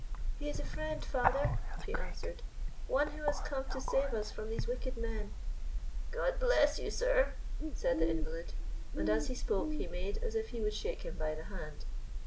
"He is a friend, father," she answered. "One who has come to save us from these wicked men." "God bless you, sir," said the invalid, and as he spoke he made as if he would shake him by the hand.